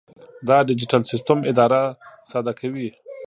دا ډیجیټل سیسټم اداره ساده کوي.